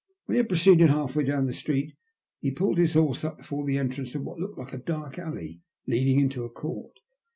When he had proceeded half way down the street he pulled his horse up before the entrance to what looked like a dark alley leading into a court.